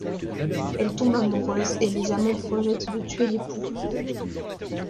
Elle tombe amoureuse et les amants projettent de tuer l’époux.